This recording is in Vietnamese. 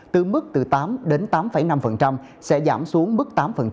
từ mức từ tám đến tám năm sẽ giảm xuống mức tám